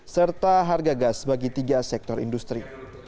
serta harga gas bagi tiga sektor industri